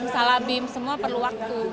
misalnya bim semua perlu waktu